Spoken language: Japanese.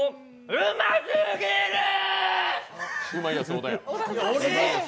うますぎるー！